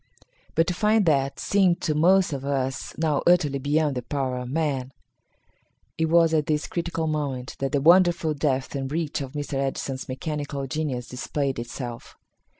But to find that seemed to most of us now utterly beyond the power of man. It was at this critical moment that the wonderful depth and reach of Mr. Edison's mechanical genius displayed itself.